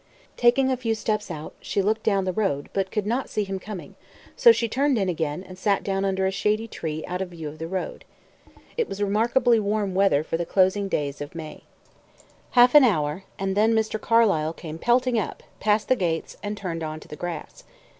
Taking a few steps out, she looked down the road, but could not see him coming; so she turned in again, and sat down under a shady tree out of view of the road. It was remarkably warm weather for the closing days of May. Half an hour, and then Mr. Carlyle came pelting up, passed the gates, and turned on to the grass.